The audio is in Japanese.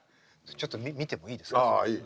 ちょっと見てもいいですか？